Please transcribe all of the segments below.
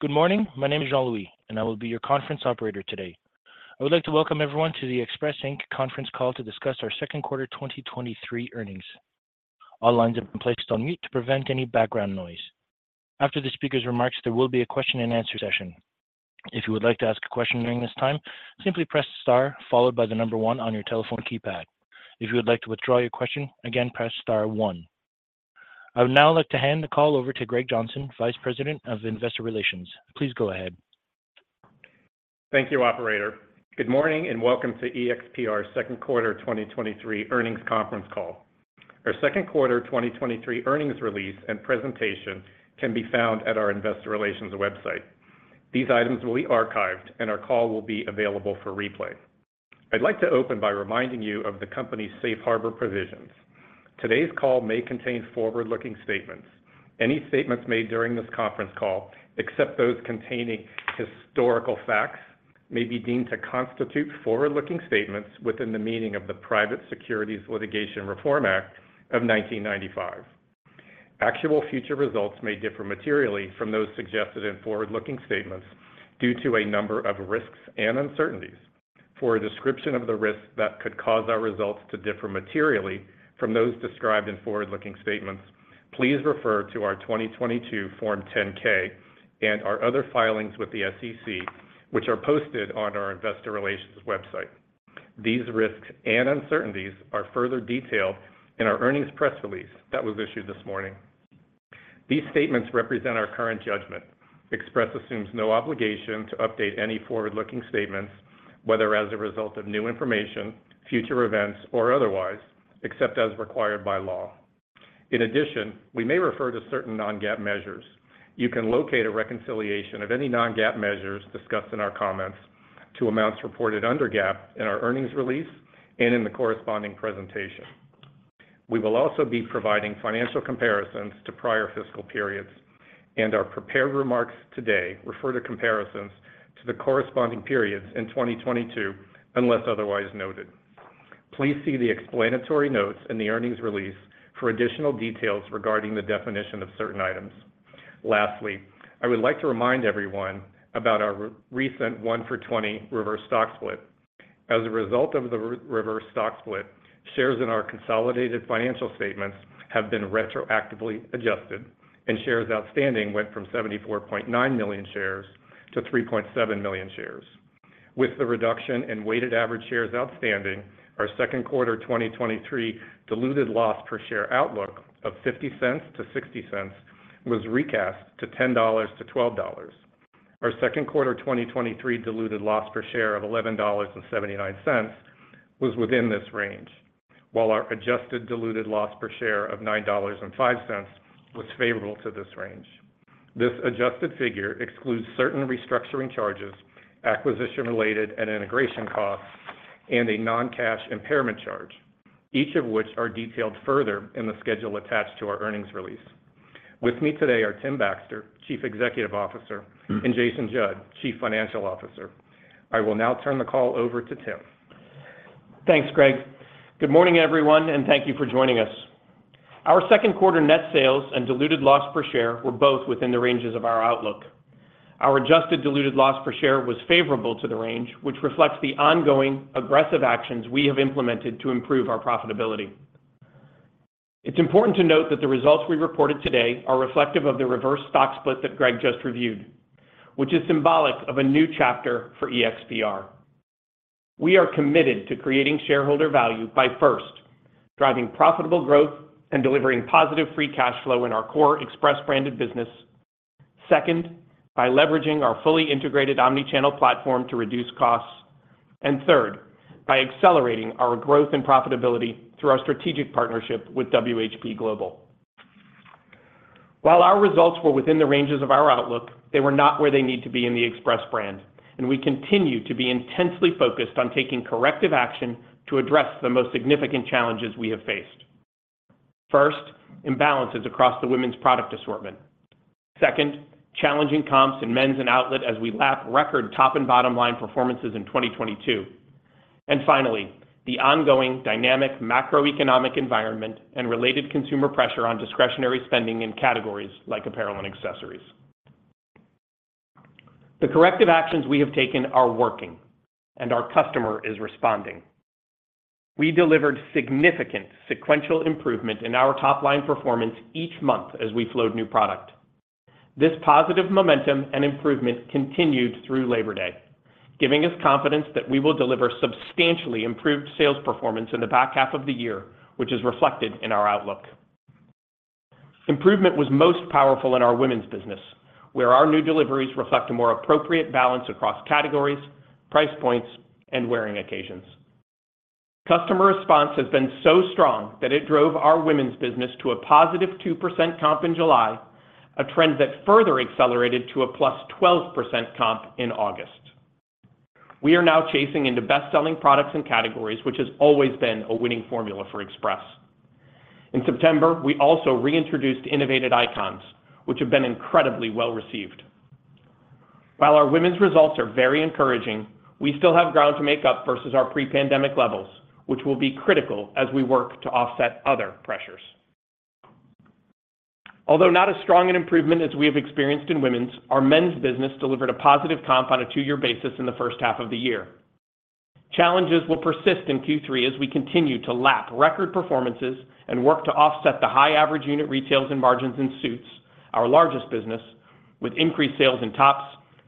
Good morning. My name is Jean-Louis, and I will be your conference operator today. I would like to welcome everyone to the Express, Inc. conference call to discuss our second quarter 2023 earnings. All lines have been placed on mute to prevent any background noise. After the speaker's remarks, there will be a question and answer session. If you would like to ask a question during this time, simply press Star, followed by the number 1 on your telephone keypad. If you would like to withdraw your question, again, press Star one. I would now like to hand the call over to Greg Johnson, Vice President of Investor Relations. Please go ahead. Thank you, operator. Good morning, and welcome to EXPR second quarter 2023 earnings conference call. Our second quarter 2023 earnings release and presentation can be found at our investor relations website. These items will be archived, and our call will be available for replay. I'd like to open by reminding you of the company's Safe Harbor provisions. Today's call may contain forward-looking statements. Any statements made during this conference call, except those containing historical facts, may be deemed to constitute forward-looking statements within the meaning of the Private Securities Litigation Reform Act of 1995. Actual future results may differ materially from those suggested in forward-looking statements due to a number of risks and uncertainties. For a description of the risks that could cause our results to differ materially from those described in forward-looking statements, please refer to our 2022 Form 10-K and our other filings with the SEC, which are posted on our investor relations website. These risks and uncertainties are further detailed in our earnings press release that was issued this morning. These statements represent our current judgment. Express assumes no obligation to update any forward-looking statements, whether as a result of new information, future events, or otherwise, except as required by law. In addition, we may refer to certain non-GAAP measures. You can locate a reconciliation of any non-GAAP measures discussed in our comments to amounts reported under GAAP in our earnings release and in the corresponding presentation. We will also be providing financial comparisons to prior fiscal periods, and our prepared remarks today refer to comparisons to the corresponding periods in 2022, unless otherwise noted. Please see the explanatory notes in the earnings release for additional details regarding the definition of certain items. Lastly, I would like to remind everyone about our recent 1-for-20 reverse stock split. As a result of the reverse stock split, shares in our consolidated financial statements have been retroactively adjusted, and shares outstanding went from 74.9 million shares to 3.7 million shares. With the reduction in weighted average shares outstanding, our second quarter 2023 diluted loss per share outlook of $0.50-$0.60 was recast to $10-$12. Our second quarter 2023 diluted loss per share of $11.79 was within this range, while our adjusted diluted loss per share of $9.05 was favorable to this range. This adjusted figure excludes certain restructuring charges, acquisition-related and integration costs, and a non-cash impairment charge, each of which are detailed further in the schedule attached to our earnings release. With me today are Tim Baxter, Chief Executive Officer, and Jason Judd, Chief Financial Officer. I will now turn the call over to Tim. Thanks, Greg. Good morning, everyone, and thank you for joining us. Our second quarter net sales and diluted loss per share were both within the ranges of our outlook. Our adjusted diluted loss per share was favorable to the range, which reflects the ongoing aggressive actions we have implemented to improve our profitability. It's important to note that the results we reported today are reflective of the Reverse Stock Split that Greg just reviewed, which is symbolic of a new chapter for EXPR. We are committed to creating shareholder value by, first, driving profitable growth and delivering positive Free Cash Flow in our core Express branded business. Second, by leveraging our fully integrated Omni-Channel platform to reduce costs. And third, by accelerating our growth and profitability through our strategic partnership with WHP Global. While our results were within the ranges of our outlook, they were not where they need to be in the Express brand, and we continue to be intensely focused on taking corrective action to address the most significant challenges we have faced. First, imbalances across the women's product assortment. Second, challenging comps in men's and outlet as we lap record top and bottom line performances in 2022. And finally, the ongoing dynamic macroeconomic environment and related consumer pressure on discretionary spending in categories like apparel and accessories. The corrective actions we have taken are working, and our customer is responding. We delivered significant sequential improvement in our top-line performance each month as we flowed new product. This positive momentum and improvement continued through Labor Day, giving us confidence that we will deliver substantially improved sales performance in the back half of the year, which is reflected in our outlook. Improvement was most powerful in our women's business, where our new deliveries reflect a more appropriate balance across categories, price points, and wearing occasions. Customer response has been so strong that it drove our women's business to a positive 2% comp in July, a trend that further accelerated to a +12% comp in August. We are now chasing into best-selling products and categories, which has always been a winning formula for Express. In September, we also reintroduced innovated icons, which have been incredibly well-received. While our women's results are very encouraging, we still have ground to make up versus our pre-pandemic levels, which will be critical as we work to offset other pressures. Although not as strong an improvement as we have experienced in women's, our men's business delivered a positive comp on a two-year basis in the first half of the year. Challenges will persist in Q3 as we continue to lap record performances and work to offset the high average unit retails and margins in suits, our largest business, with increased sales in tops,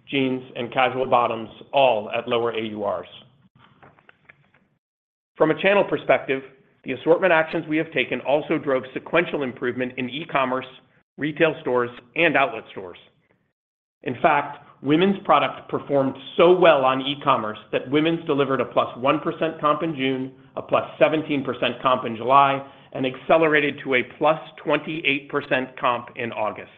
jeans, and casual bottoms, all at lower AURs. From a channel perspective, the assortment actions we have taken also drove sequential improvement in e-commerce, retail stores, and outlet stores. In fact, women's product performed so well on e-commerce that women's delivered a +1% comp in June, a +17% comp in July, and accelerated to a +28% comp in August.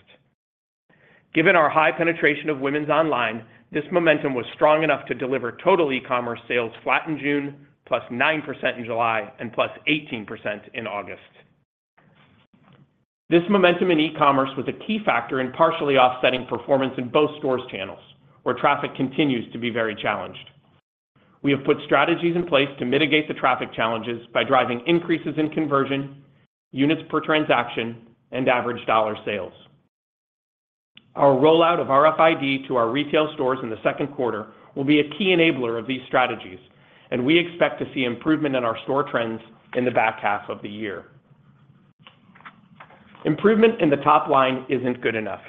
Given our high penetration of women's online, this momentum was strong enough to deliver total e-commerce sales flat in June, +9% in July, and +18% in August. This momentum in e-commerce was a key factor in partially offsetting performance in both stores channels, where traffic continues to be very challenged. We have put strategies in place to mitigate the traffic challenges by driving increases in conversion, units per transaction, and average dollar sales. Our rollout of RFID to our retail stores in the second quarter will be a key enabler of these strategies, and we expect to see improvement in our store trends in the back half of the year. Improvement in the top line isn't good enough,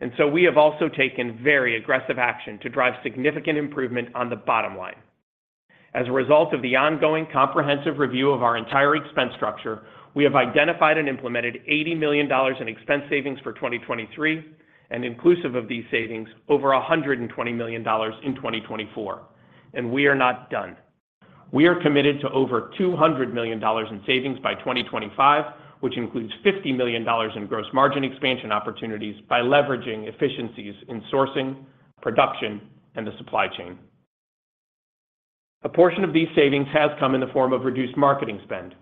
and so we have also taken very aggressive action to drive significant improvement on the bottom line. As a result of the ongoing comprehensive review of our entire expense structure, we have identified and implemented $80 million in expense savings for 2023, and inclusive of these savings, over $120 million in 2024, and we are not done. We are committed to over $200 million in savings by 2025, which includes $50 million in gross margin expansion opportunities by leveraging efficiencies in sourcing, production, and the supply chain. A portion of these savings has come in the form of reduced marketing spend.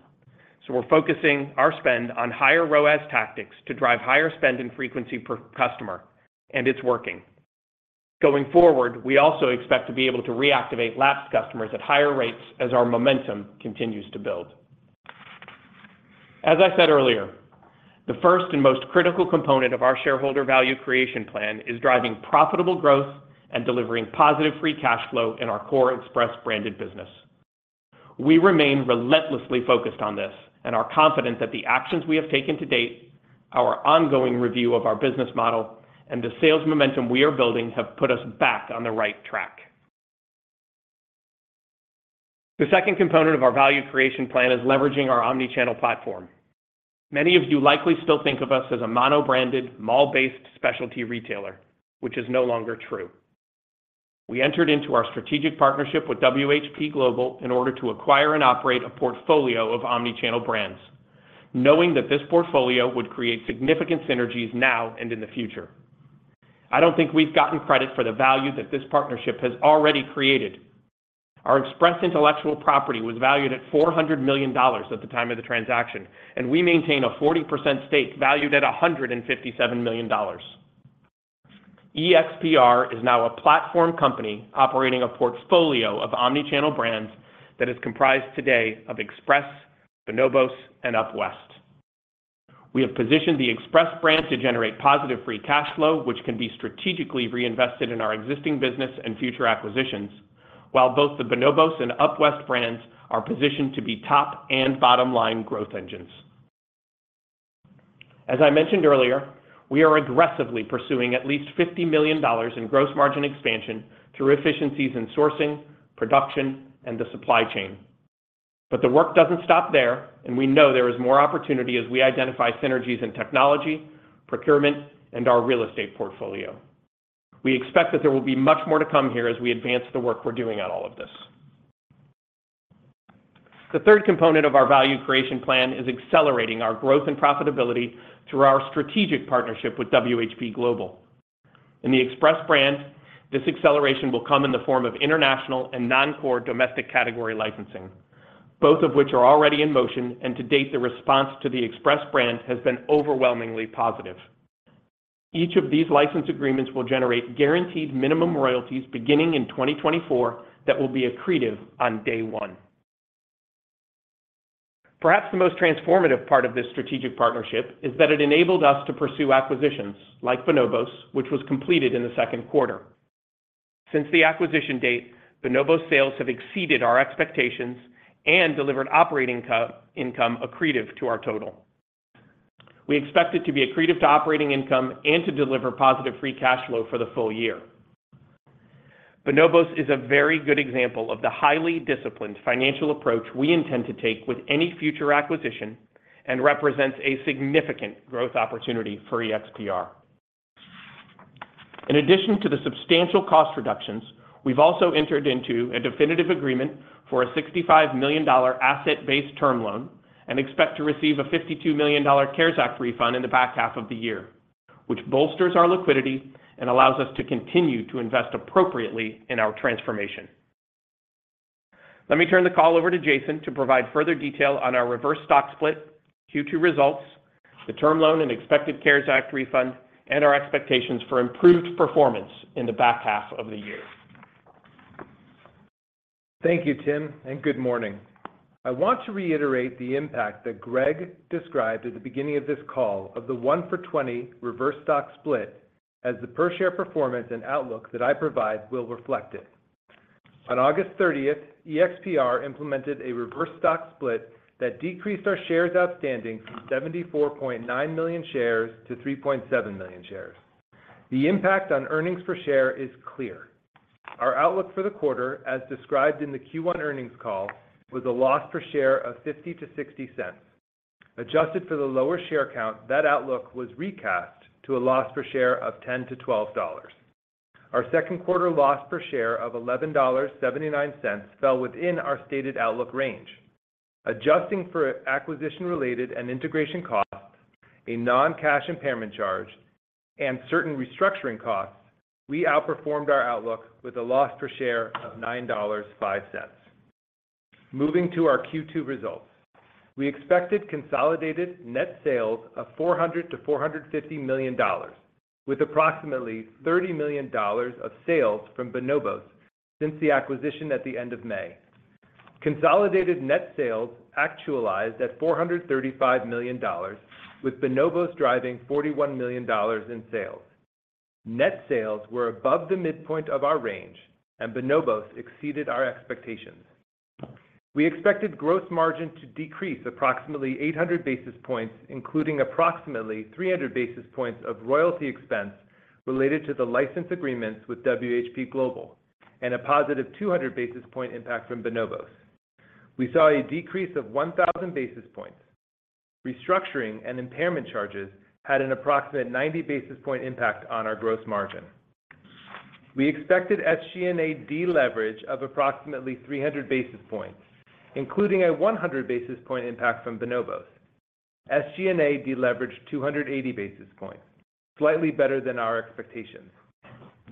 So we're focusing our spend on higher ROAS tactics to drive higher spend and frequency per customer, and it's working. Going forward, we also expect to be able to reactivate lapsed customers at higher rates as our momentum continues to build. As I said earlier, the first and most critical component of our shareholder value creation plan is driving profitable growth and delivering positive Free Cash Flow in our core Express branded business. We remain relentlessly focused on this and are confident that the actions we have taken to date, our ongoing review of our business model, and the sales momentum we are building have put us back on the right track. The second component of our value creation plan is leveraging our Omni-Channel platform. Many of you likely still think of us as a mono-branded, mall-based specialty retailer, which is no longer true. We entered into our strategic partnership with WHP Global in order to acquire and operate a portfolio of Omni-Channel brands, knowing that this portfolio would create significant synergies now and in the future. I don't think we've gotten credit for the value that this partnership has already created. Our Express intellectual property was valued at $400 million at the time of the transaction, and we maintain a 40% stake valued at $157 million. EXPR is now a platform company operating a portfolio of omni-channel brands that is comprised today of Express, Bonobos, and UpWest. We have positioned the Express brand to generate positive free cash flow, which can be strategically reinvested in our existing business and future acquisitions, while both the Bonobos and UpWest brands are positioned to be top and bottom line growth engines. As I mentioned earlier, we are aggressively pursuing at least $50 million in gross margin expansion through efficiencies in sourcing, production, and the supply chain. But the work doesn't stop there, and we know there is more opportunity as we identify synergies in technology, procurement, and our real estate portfolio. We expect that there will be much more to come here as we advance the work we're doing on all of this. The third component of our value creation plan is accelerating our growth and profitability through our strategic partnership with WHP Global. In the Express brand, this acceleration will come in the form of international and non-core domestic category licensing, both of which are already in motion, and to date, the response to the Express brand has been overwhelmingly positive. Each of these license agreements will generate guaranteed minimum royalties beginning in 2024 that will be accretive on day one. Perhaps the most transformative part of this strategic partnership is that it enabled us to pursue acquisitions like Bonobos, which was completed in the second quarter. Since the acquisition date, Bonobos sales have exceeded our expectations and delivered operating income accretive to our total. We expect it to be accretive to operating income and to deliver positive free cash flow for the full year. Bonobos is a very good example of the highly disciplined financial approach we intend to take with any future acquisition, and represents a significant growth opportunity for EXPR. In addition to the substantial cost reductions, we've also entered into a definitive agreement for a $65 million asset-based term loan and expect to receive a $52 million CARES Act refund in the back half of the year, which bolsters our liquidity and allows us to continue to invest appropriately in our transformation. Let me turn the call over to Jason to provide further detail on our Reverse Stock Split, Q2 results, the term loan and expected CARES Act refund, and our expectations for improved performance in the back half of the year.... Thank you, Tim, and good morning. I want to reiterate the impact that Greg described at the beginning of this call of the 1-for-20 reverse stock split as the per share performance and outlook that I provide will reflect it. On August 30th, EXPR implemented a reverse stock split that decreased our shares outstanding from 74.9 million shares to 3.7 million shares. The impact on earnings per share is clear. Our outlook for the quarter, as described in the Q1 earnings call, was a loss per share of 50-60 cents. Adjusted for the lower share count, that outlook was recast to a loss per share of $10-$12. Our second quarter loss per share of $11.79 fell within our stated outlook range. Adjusting for acquisition-related and integration costs, a non-cash impairment charge, and certain restructuring costs, we outperformed our outlook with a loss per share of $9.05. Moving to our Q2 results. We expected consolidated net sales of $400 million-$450 million, with approximately $30 million of sales from Bonobos since the acquisition at the end of May. Consolidated net sales actualized at $435 million, with Bonobos driving $41 million in sales. Net sales were above the midpoint of our range, and Bonobos exceeded our expectations. We expected gross margin to decrease approximately 800 basis points, including approximately 300 basis points of royalty expense related to the license agreements with WHP Global and a positive 200 basis point impact from Bonobos. We saw a decrease of 1,000 basis points. Restructuring and impairment charges had an approximate 90 basis point impact on our gross margin. We expected SG&A deleverage of approximately 300 basis points, including a 100 basis point impact from Bonobos. SG&A deleveraged 280 basis points, slightly better than our expectations.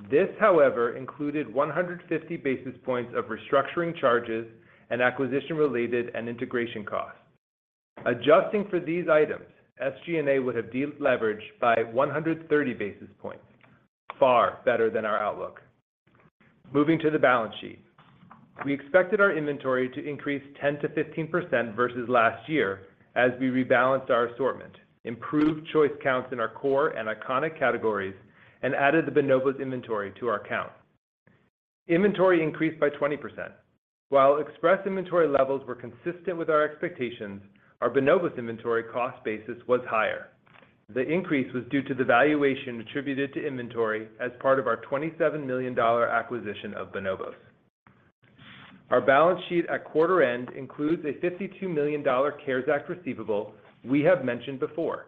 This, however, included 150 basis points of restructuring charges and acquisition-related and integration costs. Adjusting for these items, SG&A would have deleveraged by 130 basis points, far better than our outlook. Moving to the balance sheet. We expected our inventory to increase 10%-15% versus last year as we rebalanced our assortment, improved choice counts in our core and iconic categories, and added the Bonobos inventory to our count. Inventory increased by 20%. While Express inventory levels were consistent with our expectations, our Bonobos inventory cost basis was higher. The increase was due to the valuation attributed to inventory as part of our $27 million acquisition of Bonobos. Our balance sheet at quarter end includes a $52 million CARES Act receivable we have mentioned before,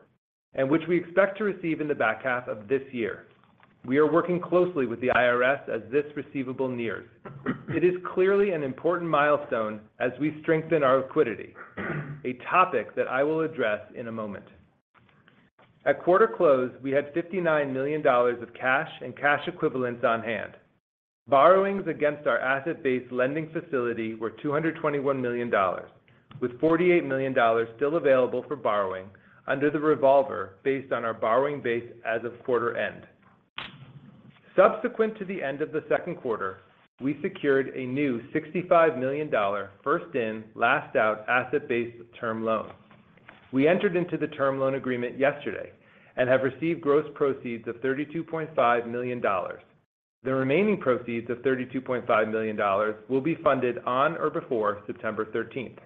and which we expect to receive in the back half of this year. We are working closely with the IRS as this receivable nears. It is clearly an important milestone as we strengthen our liquidity, a topic that I will address in a moment. At quarter close, we had $59 million of cash and cash equivalents on hand. Borrowings against our asset-based lending facility were $221 million, with $48 million still available for borrowing under the revolver based on our borrowing base as of quarter end. Subsequent to the end of the second quarter, we secured a new $65 million First-In, Last-Out Asset-Based Term Loan. We entered into the term loan agreement yesterday and have received gross proceeds of $32.5 million. The remaining proceeds of $32.5 million will be funded on or before September thirteenth.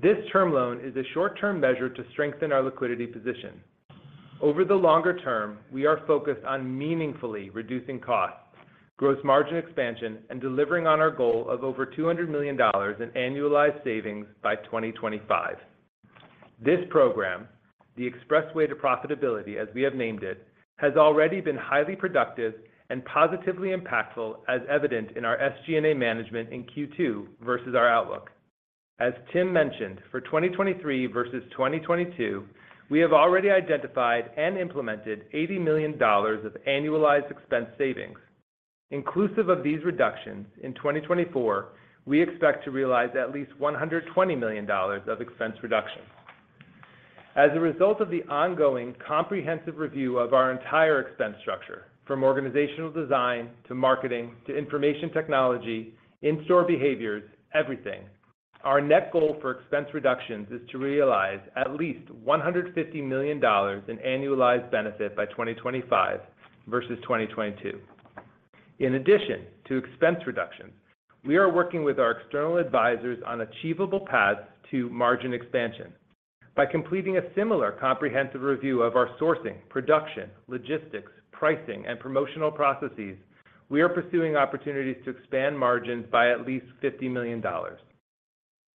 This term loan is a short-term measure to strengthen our liquidity position. Over the longer term, we are focused on meaningfully reducing costs, gross margin expansion, and delivering on our goal of over $200 million in annualized savings by 2025. This program, the Expressway to Profitability, as we have named it, has already been highly productive and positively impactful, as evident in our SG&A management in Q2 versus our outlook. As Tim mentioned, for 2023 versus 2022, we have already identified and implemented $80 million of annualized expense savings. Inclusive of these reductions, in 2024, we expect to realize at least $120 million of expense reductions. As a result of the ongoing comprehensive review of our entire expense structure, from organizational design to marketing, to information technology, in-store behaviors, everything, our net goal for expense reductions is to realize at least $150 million in annualized benefit by 2025 versus 2022. In addition to expense reductions, we are working with our external advisors on achievable paths to margin expansion. By completing a similar comprehensive review of our sourcing, production, logistics, pricing, and promotional processes, we are pursuing opportunities to expand margins by at least $50 million.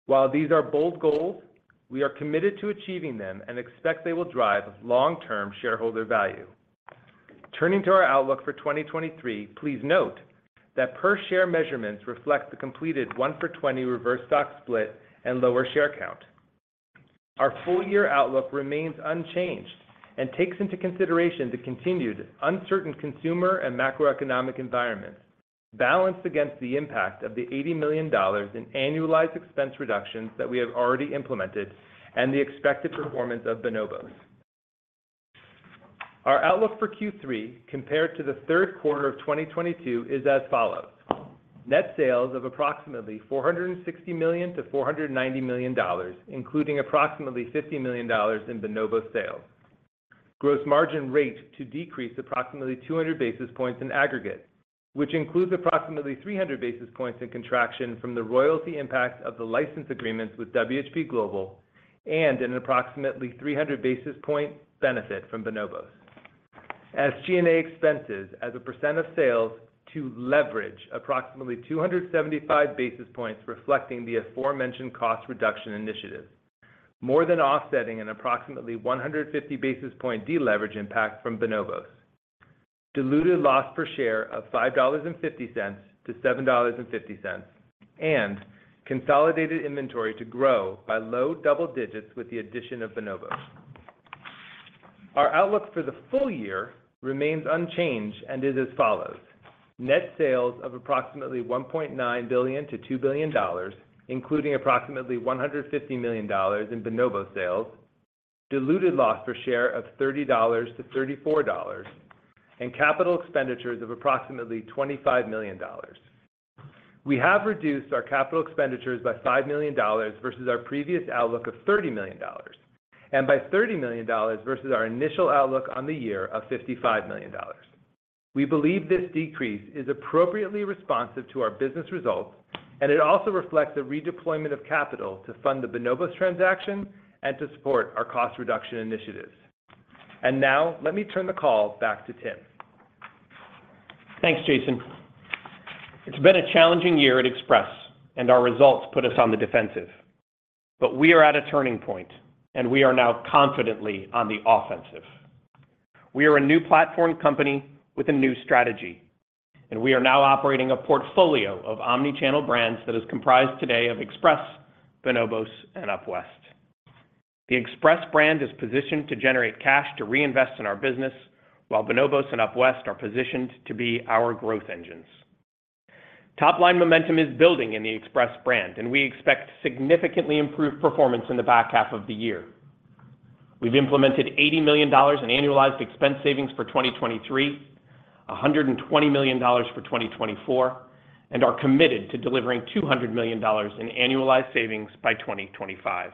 While these are bold goals, we are committed to achieving them and expect they will drive long-term shareholder value. Turning to our outlook for 2023, please note that per-share measurements reflect the completed 1-for-20 reverse stock split and lower share count. Our full-year outlook remains unchanged and takes into consideration the continued uncertain consumer and macroeconomic environments, balanced against the impact of the $80 million in annualized expense reductions that we have already implemented and the expected performance of Bonobos.... Our outlook for Q3 compared to the third quarter of 2022 is as follows: Net sales of approximately $460 million-$490 million, including approximately $50 million in Bonobos sales. Gross margin rate to decrease approximately 200 basis points in aggregate, which includes approximately 300 basis points in contraction from the royalty impact of the license agreements with WHP Global, and an approximately 300 basis point benefit from Bonobos. G&A expenses as a percent of sales to leverage approximately 275 basis points, reflecting the aforementioned cost reduction initiatives, more than offsetting an approximately 150 basis point deleverage impact from Bonobos. Diluted loss per share of $5.50-$7.50, and consolidated inventory to grow by low double digits with the addition of Bonobos. Our outlook for the full year remains unchanged and is as follows: Net sales of approximately $1.9 billion-$2 billion, including approximately $150 million in Bonobos sales, diluted loss per share of $30-$34, and capital expenditures of approximately $25 million. We have reduced our capital expenditures by $5 million versus our previous outlook of $30 million, and by $30 million versus our initial outlook on the year of $55 million. We believe this decrease is appropriately responsive to our business results, and it also reflects the redeployment of capital to fund the Bonobos transaction and to support our cost reduction initiatives. And now, let me turn the call back to Tim. Thanks, Jason. It's been a challenging year at Express, and our results put us on the defensive. But we are at a turning point, and we are now confidently on the offensive. We are a new platform company with a new strategy, and we are now operating a portfolio of Omni-Channel brands that is comprised today of Express, Bonobos, and UpWest. The Express brand is positioned to generate cash to reinvest in our business, while Bonobos and UpWest are positioned to be our growth engines. Top-line momentum is building in the Express brand, and we expect significantly improved performance in the back half of the year. We've implemented $80 million in annualized expense savings for 2023, $120 million for 2024, and are committed to delivering $200 million in annualized savings by 2025.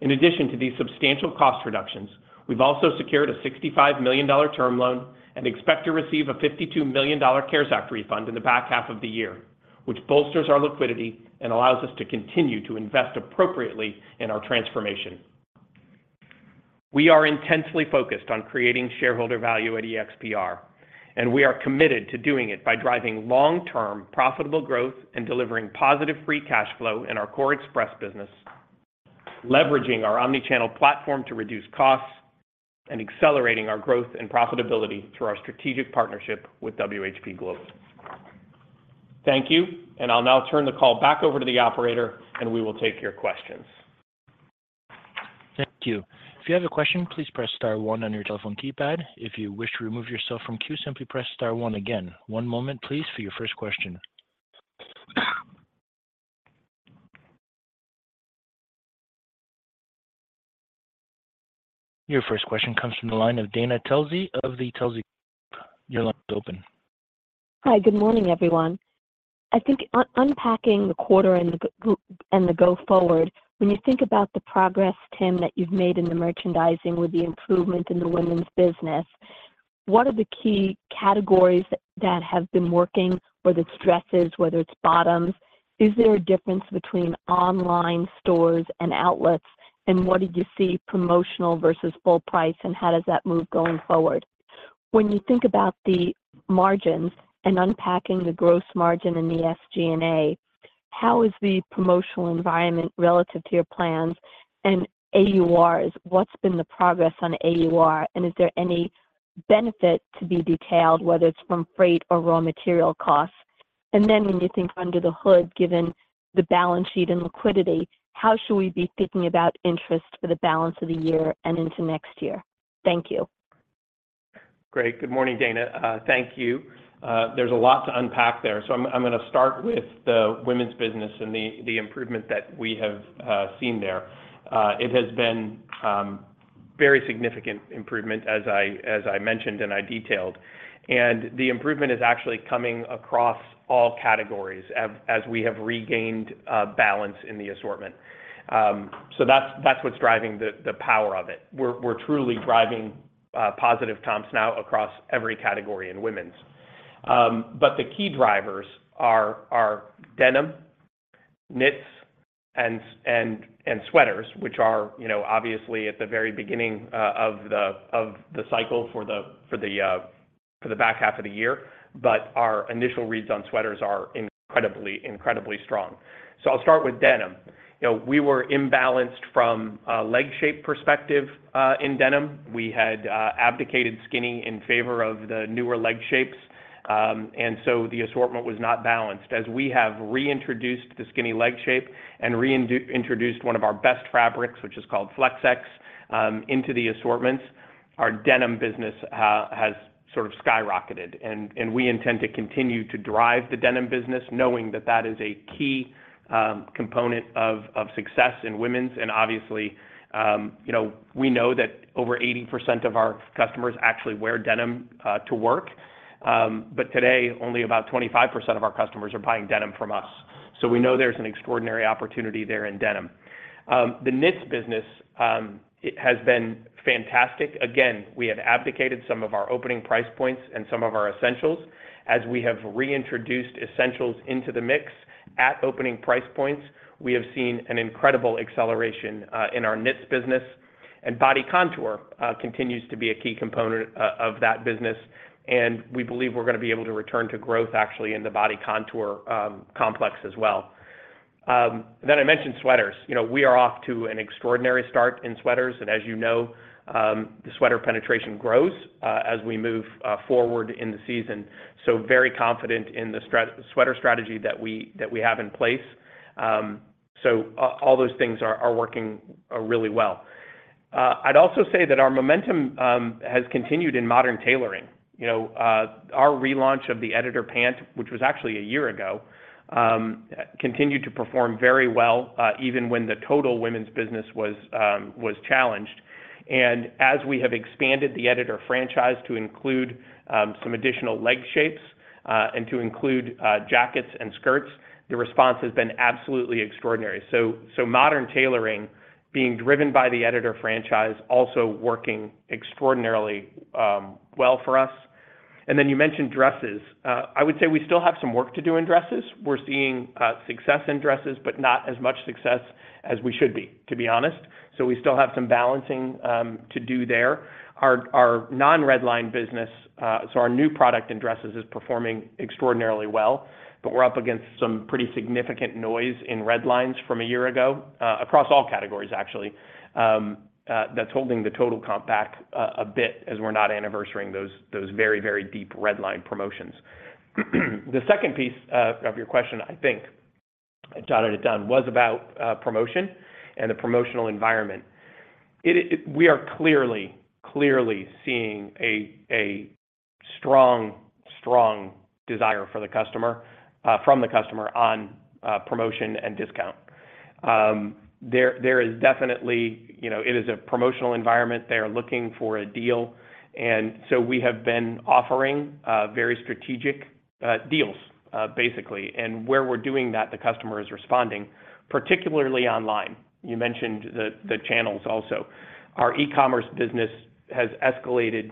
In addition to these substantial cost reductions, we've also secured a $65 million term loan and expect to receive a $52 million CARES Act refund in the back half of the year, which bolsters our liquidity and allows us to continue to invest appropriately in our transformation. We are intensely focused on creating shareholder value at EXPR, and we are committed to doing it by driving long-term profitable growth and delivering positive free cash flow in our core Express business, leveraging our omni-channel platform to reduce costs, and accelerating our growth and profitability through our strategic partnership with WHP Global. Thank you, and I'll now turn the call back over to the operator, and we will take your questions. Thank you. If you have a question, please press star one on your telephone keypad. If you wish to remove yourself from queue, simply press star one again. One moment, please, for your first question. Your first question comes from the line of Dana Telsey of Telsey Advisory Group. Your line is open. Hi, good morning, everyone. I think unpacking the quarter and the go forward, when you think about the progress, Tim, that you've made in the merchandising with the improvement in the women's business, what are the key categories that have been working, whether it's dresses, whether it's bottoms? Is there a difference between online stores and outlets, and what did you see promotional versus full price, and how does that move going forward? When you think about the margins and unpacking the gross margin in the SG&A, how is the promotional environment relative to your plans and AURs? What's been the progress on AUR, and is there any benefit to be detailed, whether it's from freight or raw material costs? And then when you think under the hood, given the balance sheet and liquidity, how should we be thinking about interest for the balance of the year and into next year? Thank you. Great. Good morning, Dana. Thank you. There's a lot to unpack there, so I'm gonna start with the women's business and the improvement that we have seen there. It has been very significant improvement, as I mentioned and I detailed, and the improvement is actually coming across all categories as we have regained balance in the assortment. So that's what's driving the power of it. We're truly driving positive comps now across every category in women's. But the key drivers are denim, knits, and sweaters, which are, you know, obviously at the very beginning of the cycle for the back half of the year. But our initial reads on sweaters are incredibly strong. So I'll start with denim. You know, we were imbalanced from a leg shape perspective, in denim. We had abdicated skinny in favor of the newer leg shapes, and so the assortment was not balanced. As we have reintroduced the skinny leg shape and reintroduced one of our best fabrics, which is called FlexX, into the assortments... our denim business has sort of skyrocketed, and we intend to continue to drive the denim business, knowing that that is a key component of success in women's. And obviously, you know, we know that over 80% of our customers actually wear denim to work. But today, only about 25% of our customers are buying denim from us. So we know there's an extraordinary opportunity there in denim. The knits business, it has been fantastic. Again, we have abdicated some of our opening price points and some of our essentials. As we have reintroduced essentials into the mix at opening price points, we have seen an incredible acceleration in our knits business. And Body Contour continues to be a key component of that business, and we believe we're gonna be able to return to growth actually in the Body Contour complex as well. Then I mentioned sweaters. You know, we are off to an extraordinary start in sweaters, and as you know, the sweater penetration grows as we move forward in the season. So very confident in the sweater strategy that we have in place. So all those things are working really well. I'd also say that our momentum has continued in modern tailoring. You know, our relaunch of the Editor Pant, which was actually a year ago, continued to perform very well, even when the total women's business was challenged. And as we have expanded the Editor franchise to include some additional leg shapes and to include jackets and skirts, the response has been absolutely extraordinary. So modern tailoring being driven by the Editor franchise also working extraordinarily well for us. And then you mentioned dresses. I would say we still have some work to do in dresses. We're seeing success in dresses, but not as much success as we should be, to be honest. So we still have some balancing to do there. Our, our non-red line business, so our new product in dresses is performing extraordinarily well, but we're up against some pretty significant noise in red lines from a year ago, across all categories, actually, that's holding the total comp back a, a bit as we're not anniversarying those, those very, very deep red line promotions. The second piece, of your question, I think, jotted it down, was about, promotion and the promotional environment. We are clearly, clearly seeing a, a strong, strong desire for the customer, from the customer on, promotion and discount. There, there is definitely... You know, it is a promotional environment. They are looking for a deal, and so we have been offering, very strategic, deals, basically. And where we're doing that, the customer is responding, particularly online. You mentioned the channels also. Our e-commerce business has escalated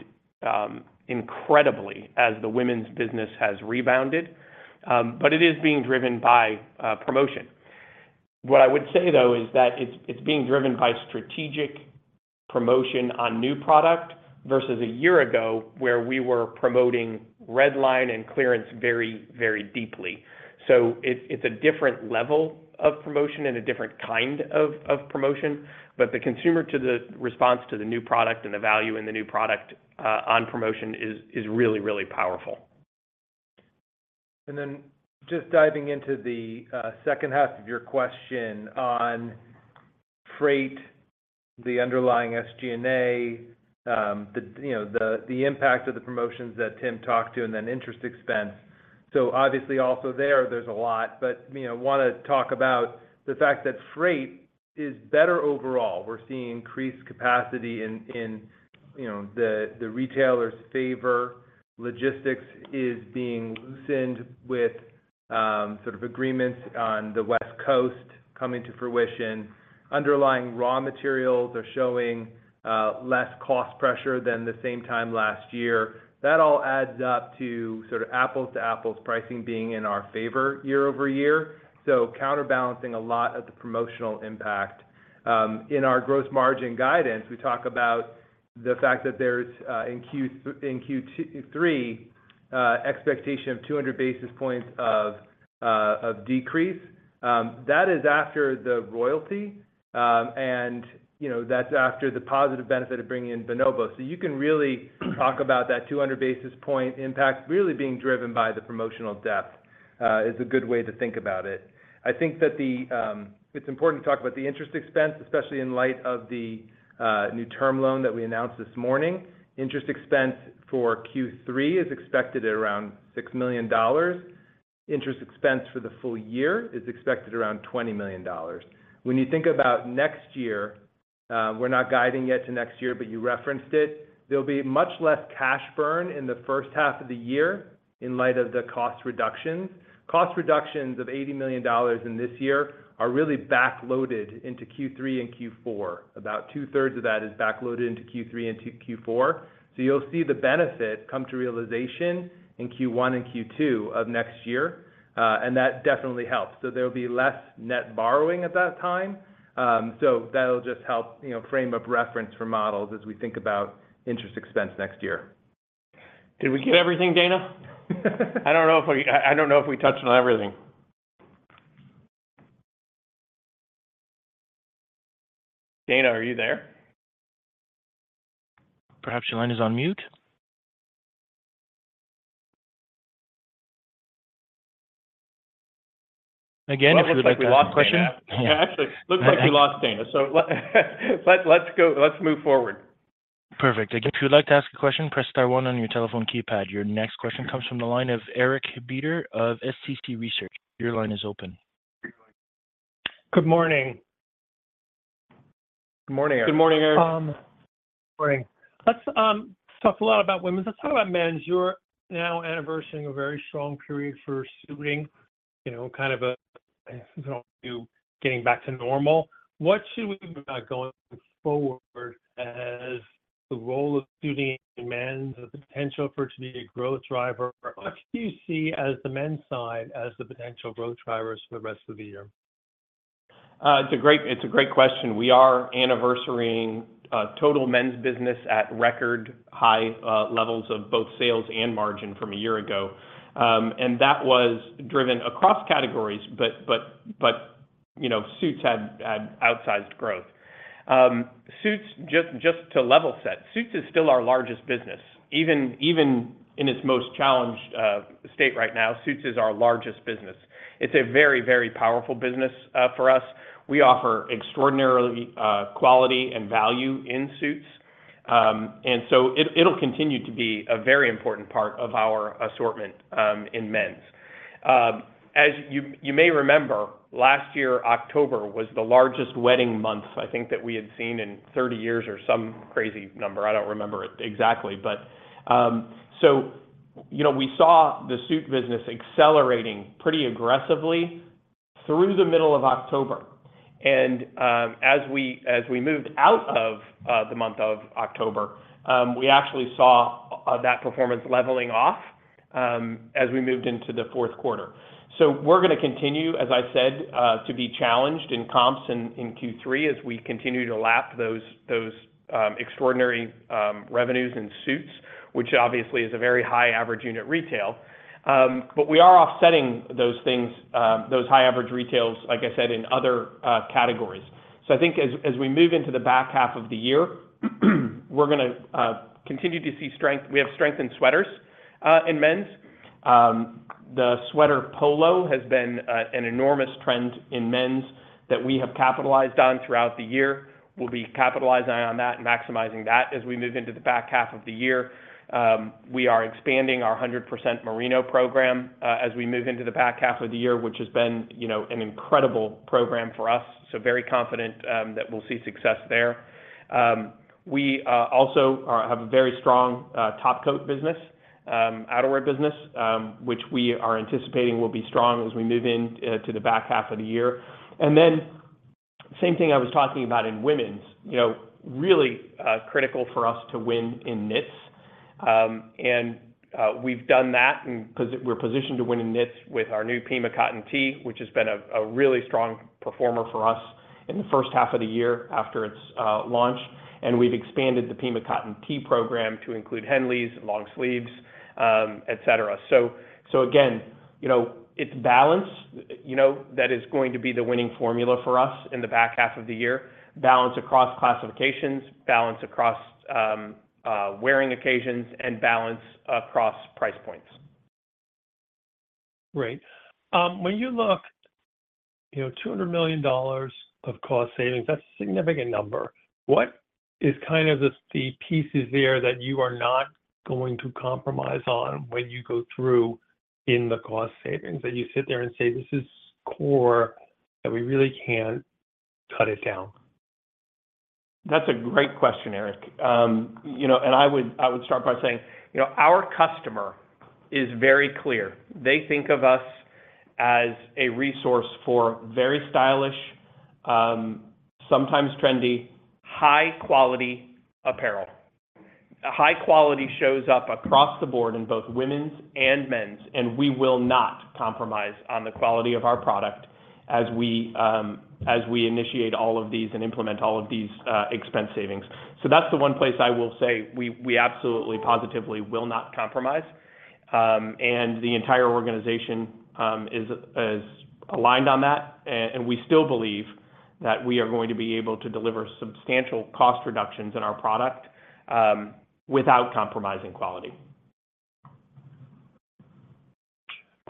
incredibly as the women's business has rebounded, but it is being driven by promotion. What I would say, though, is that it's being driven by strategic promotion on new product, versus a year ago, where we were promoting red line and clearance very, very deeply. So it's a different level of promotion and a different kind of promotion, but the consumer to the response to the new product and the value in the new product on promotion is really, really powerful. Then just diving into the second half of your question on freight, the underlying SG&A, the impact of the promotions that Tim talked to, and then interest expense. So obviously, also there, there's a lot, but you know, want to talk about the fact that freight is better overall. We're seeing increased capacity in you know, the retailers' favor. Logistics is being loosened with sort of agreements on the West Coast coming to fruition. Underlying raw materials are showing less cost pressure than the same time last year. That all adds up to sort of apples-to-apples pricing being in our favor year-over-year, so counterbalancing a lot of the promotional impact. In our gross margin guidance, we talk about the fact that there's in Q3 expectation of 200 basis points of decrease. That is after the royalty, and, you know, that's after the positive benefit of bringing in Bonobos. So you can really talk about that 200 basis point impact really being driven by the promotional depth is a good way to think about it. I think that it's important to talk about the interest expense, especially in light of the new term loan that we announced this morning. Interest expense for Q3 is expected at around $6 million. Interest expense for the full year is expected around $20 million. When you think about next year, we're not guiding yet to next year, but you referenced it, there'll be much less cash burn in the first half of the year in light of the cost reductions. Cost reductions of $80 million in this year are really backloaded into Q3 and Q4. About two-thirds of that is backloaded into Q3 and Q4. So you'll see the benefit come to realization in Q1 and Q2 of next year, and that definitely helps. So there'll be less net borrowing at that time, so that'll just help, you know, frame of reference for models as we think about interest expense next year. Did we get everything, Dana? I don't know if we touched on everything. Dana, are you there? Perhaps your line is on mute.... Again, if you would like to ask a question. Actually, looks like we lost Dana. So let's go. Let's move forward. Perfect. Again, if you would like to ask a question, press star one on your telephone keypad. Your next question comes from the line of Eric Beder of Small Cap Consumer Research. Your line is open. Good morning. Good morning, Eric. Good morning, Eric. Good morning. Let's talk a lot about women's. Let's talk about men's. You're now anniversarying a very strong period for suiting, you know, kind of a, you know, you getting back to normal. What should we about going forward as the role of suiting in men's, the potential for it to be a growth driver? What do you see as the men's side, as the potential growth drivers for the rest of the year? It's a great, it's a great question. We are anniversarying total men's business at record high levels of both sales and margin from a year ago. And that was driven across categories, but, but, but, you know, suits had, had outsized growth. Suits, just, just to level set, suits is still our largest business. Even, even in its most challenged state right now, suits is our largest business. It's a very, very powerful business for us. We offer extraordinarily quality and value in suits. And so it, it'll continue to be a very important part of our assortment in men's. As you, you may remember, last year, October was the largest wedding month, I think, that we had seen in 30 years, or some crazy number. I don't remember it exactly. But, so you know, we saw the suit business accelerating pretty aggressively through the middle of October, and, as we moved out of the month of October, we actually saw that performance leveling off, as we moved into the fourth quarter. So we're gonna continue, as I said, to be challenged in comps in Q3 as we continue to lap those extraordinary revenues in suits, which obviously is a very high average unit retail. But we are offsetting those things, those high average retails, like I said, in other categories. So I think as we move into the back half of the year, we're gonna continue to see strength... We have strength in sweaters in men's. The sweater polo has been an enormous trend in men's that we have capitalized on throughout the year. We'll be capitalizing on that and maximizing that as we move into the back half of the year. We are expanding our 100% Merino program as we move into the back half of the year, which has been, you know, an incredible program for us. So very confident that we'll see success there. We also have a very strong top coat business, outerwear business, which we are anticipating will be strong as we move into the back half of the year. And then same thing I was talking about in women's, you know, really critical for us to win in knits. We've done that, and we're positioned to win in knits with our new Pima cotton tee, which has been a really strong performer for us in the first half of the year after its launch. And we've expanded the Pima cotton tee program to include Henleys, long sleeves, etc. So again, you know, it's balance, you know, that is going to be the winning formula for us in the back half of the year. Balance across classifications, balance across wearing occasions, and balance across price points. Great. When you look, you know, $200 million of cost savings, that's a significant number. What is kind of the pieces there that you are not going to compromise on when you go through in the cost savings, that you sit there and say: "This is core, that we really can't cut it down? That's a great question, Eric. You know, and I would start by saying, you know, our customer is very clear. They think of us as a resource for very stylish, sometimes trendy, high quality apparel. High quality shows up across the board in both women's and men's, and we will not compromise on the quality of our product as we initiate all of these and implement all of these expense savings. So that's the one place I will say we absolutely, positively will not compromise. And the entire organization is aligned on that. And we still believe that we are going to be able to deliver substantial cost reductions in our product without compromising quality.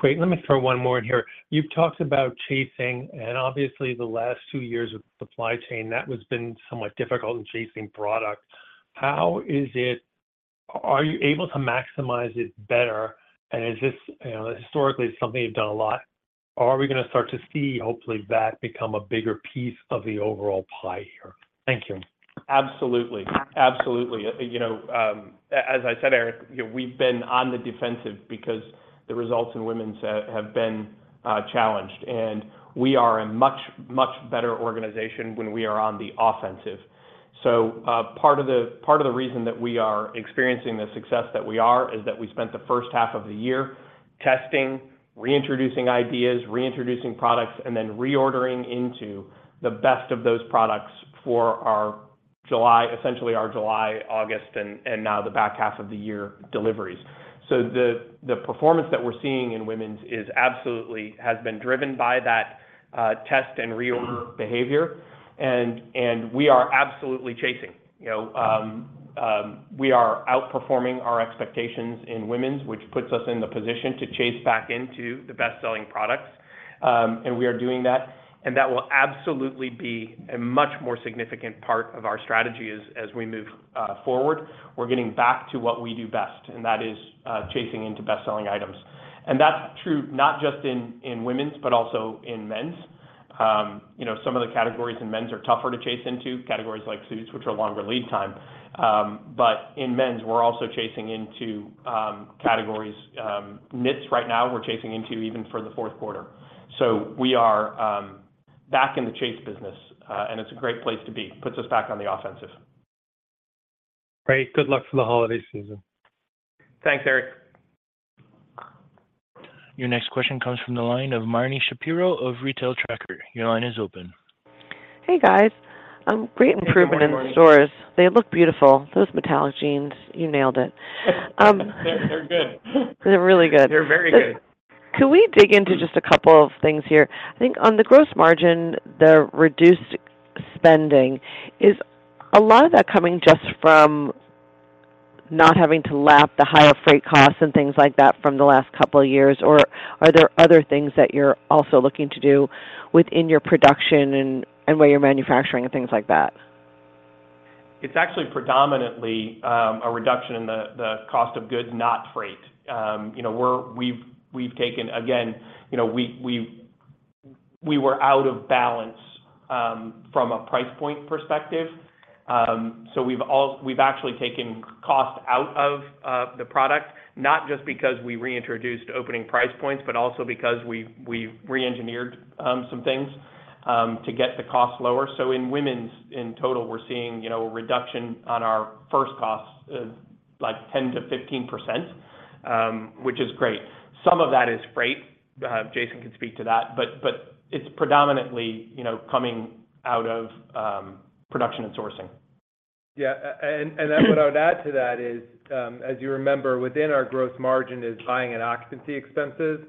Great. Let me throw one more in here. You've talked about chasing, and obviously, the last two years of supply chain, that one's been somewhat difficult in chasing product. How is it... Are you able to maximize it better? And is this, you know, historically, something you've done a lot, or are we gonna start to see, hopefully, that become a bigger piece of the overall pie here? Thank you. Absolutely. Absolutely. You know, as I said, Eric, you know, we've been on the defensive because the results in women's have been challenged, and we are a much, much better organization when we are on the offensive. So, part of the, part of the reason that we are experiencing the success that we are is that we spent the first half of the year testing, reintroducing ideas, reintroducing products, and then reordering into the best of those products for our July... essentially our July, August, and, and now the back half of the year deliveries. So the, the performance that we're seeing in women's is absolutely, has been driven by that test and reorder behavior. And, and we are absolutely chasing. You know, we are outperforming our expectations in women's, which puts us in the position to chase back into the best-selling products. And we are doing that, and that will absolutely be a much more significant part of our strategy as we move forward. We're getting back to what we do best, and that is chasing into best-selling items. And that's true not just in women's, but also in men's. You know, some of the categories in men's are tougher to chase into, categories like suits, which are longer lead time. But in men's, we're also chasing into categories knits right now, we're chasing into even for the fourth quarter. So we are back in the chase business, and it's a great place to be. Puts us back on the offensive. Great. Good luck for the holiday season. Thanks, Eric. Your next question comes from the line of Marni Shapiro of Retail Tracker. Your line is open. Hey, guys. Great improvement- Good morning, Marni.... in the stores. They look beautiful, those metallic jeans, you nailed it. They're good. They're really good. They're very good. Can we dig into just a couple of things here? I think on the gross margin, the reduced spending, is a lot of that coming just from not having to lap the higher freight costs and things like that from the last couple of years, or are there other things that you're also looking to do within your production and where you're manufacturing and things like that? It's actually predominantly a reduction in the cost of goods, not freight. You know, we've taken... Again, you know, we were out of balance from a price point perspective. So we've actually taken cost out of the product, not just because we reintroduced opening price points, but also because we reengineered some things to get the cost lower. So in women's, in total, we're seeing, you know, a reduction on our first costs of like 10%-15%, which is great. Some of that is freight, Jason can speak to that, but it's predominantly, you know, coming out of production and sourcing. Yeah, and what I would add to that is, as you remember, within our gross margin is buying and occupancy expenses,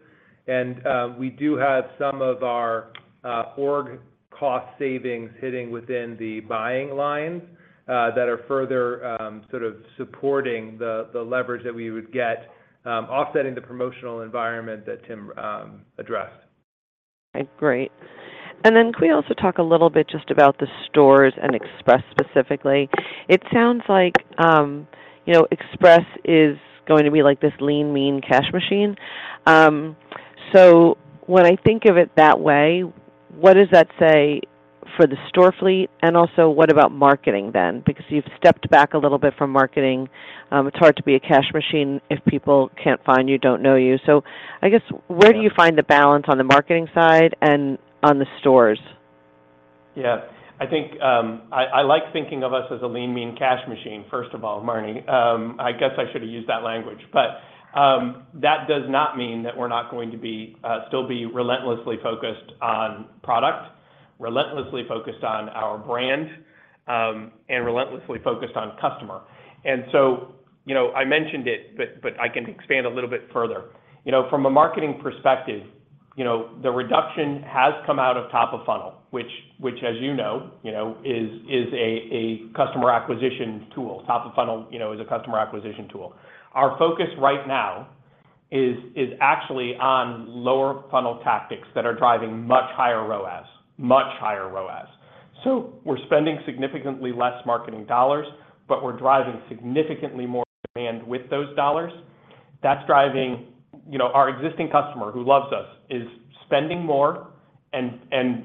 and we do have some of our org cost savings hitting within the buying lines, that are further sort of supporting the leverage that we would get, offsetting the promotional environment that Tim addressed. Okay, great. And then can we also talk a little bit just about the stores and Express specifically? It sounds like, you know, Express is going to be like this lean, mean, cash machine. So when I think of it that way, what does that say for the store fleet? And also, what about marketing then? Because you've stepped back a little bit from marketing. It's hard to be a cash machine if people can't find you, don't know you. So I guess, where do you find the balance on the marketing side and on the stores? Yeah. I think, I like thinking of us as a lean, mean cash machine first of all, Marni. I guess I should have used that language, but that does not mean that we're not going to be still relentlessly focused on product, relentlessly focused on our brand, and relentlessly focused on customer. And so, you know, I mentioned it, but I can expand a little bit further. You know, from a marketing perspective, you know, the reduction has come out of top of funnel, which, as you know, is a customer acquisition tool. Top of funnel, you know, is a customer acquisition tool. Our focus right now is actually on lower funnel tactics that are driving much higher ROAS. So we're spending significantly less marketing dollars, but we're driving significantly more demand with those dollars. That's driving... You know, our existing customer, who loves us, is spending more and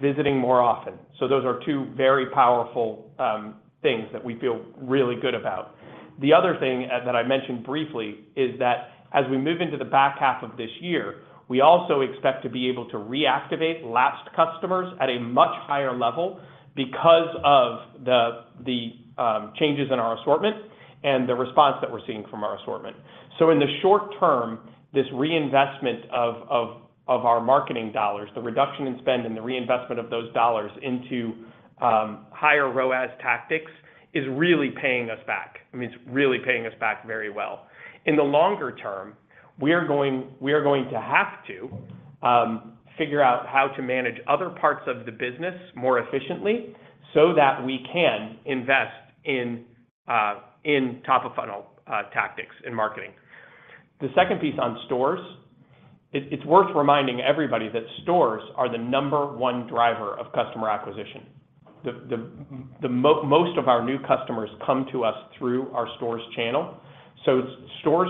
visiting more often. So those are two very powerful things that we feel really good about. The other thing that I mentioned briefly is that as we move into the back half of this year, we also expect to be able to reactivate lapsed customers at a much higher level because of the changes in our assortment and the response that we're seeing from our assortment. So in the short term, this reinvestment of our marketing dollars, the reduction in spend and the reinvestment of those dollars into higher ROAS tactics, is really paying us back. I mean, it's really paying us back very well. In the longer term, we are going, we are going to have to figure out how to manage other parts of the business more efficiently so that we can invest in in top-of-funnel tactics in marketing. The second piece on stores, it's worth reminding everybody that stores are the number one driver of customer acquisition. The most of our new customers come to us through our stores channel, so stores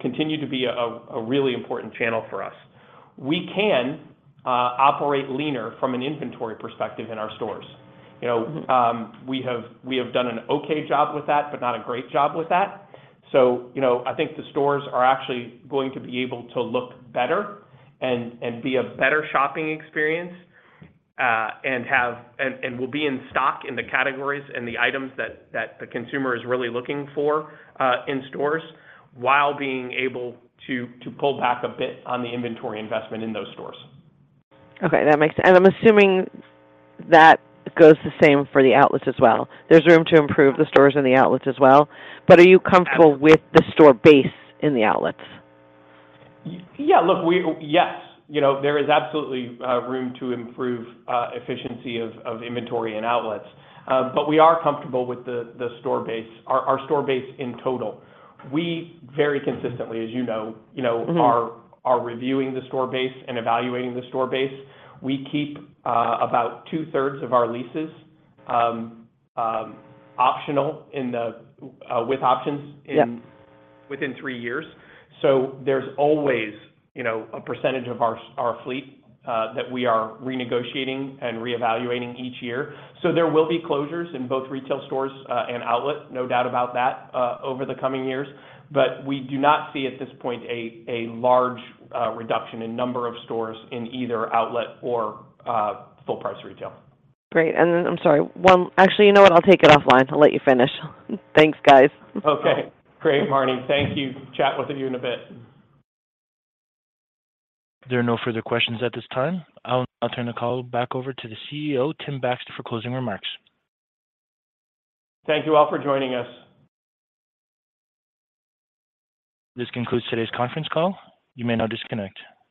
continue to be a really important channel for us. We can operate leaner from an inventory perspective in our stores. You know, we have, we have done an okay job with that, but not a great job with that. So, you know, I think the stores are actually going to be able to look better and be a better shopping experience and have... and will be in stock in the categories and the items that the consumer is really looking for in stores, while being able to pull back a bit on the inventory investment in those stores. Okay, that makes sense. I'm assuming that goes the same for the outlets as well. There's room to improve the stores and the outlets as well, but are you comfortable with the store base in the outlets? Yeah, look, we. Yes, you know, there is absolutely room to improve efficiency of inventory and outlets, but we are comfortable with the store base, our store base in total. We very consistently, as you know, you know. Mm-hmm... are reviewing the store base and evaluating the store base. We keep about two-thirds of our leases optional in the with options in- Yeah... within three years. So there's always, you know, a percentage of our fleet that we are renegotiating and reevaluating each year. So there will be closures in both retail stores and outlet, no doubt about that, over the coming years. But we do not see, at this point, a large reduction in number of stores in either outlet or full price retail. Great. And then... I'm sorry. Well, actually, you know what? I'll take it offline. I'll let you finish. Thanks, guys. Okay. Great, Marni. Thank you. Chat with you in a bit. There are no further questions at this time. I'll now turn the call back over to the CEO, Tim Baxter, for closing remarks. Thank you all for joining us. This concludes today's conference call. You may now disconnect.